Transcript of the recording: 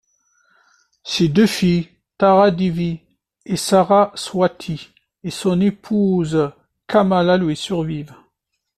Ses deux filles, Tara Devi et Saraswati, et son épouse Kamala lui survivent.